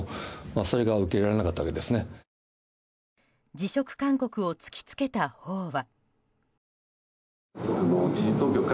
辞職勧告を突き付けたほうは。